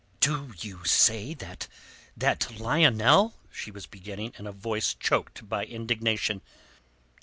"Do you say that... that Lionel...?" she was beginning in a voice choked by indignation.